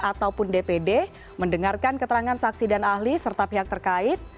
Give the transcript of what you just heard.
ataupun dpd mendengarkan keterangan saksi dan ahli serta pihak terkait